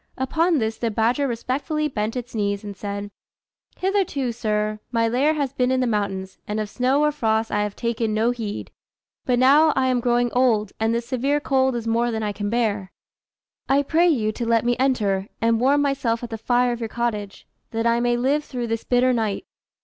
Upon this the badger respectfully bent its knees, and said "Hitherto, sir, my lair has been in the mountains, and of snow or frost I have taken no heed; but now I am growing old, and this severe cold is more than I can bear. I pray you to let me enter and warm myself at the fire of your cottage, that I may live through this bitter night."